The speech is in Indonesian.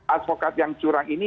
advokat yang curang ini